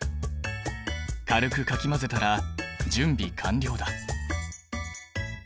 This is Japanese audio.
軽くかき混ぜたら準備完了だ。